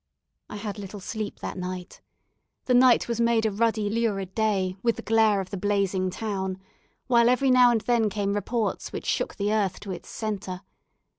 I had little sleep that night. The night was made a ruddy lurid day with the glare of the blazing town; while every now and then came reports which shook the earth to its centre.